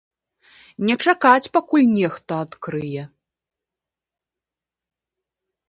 Не чакаць, пакуль нехта адкрые.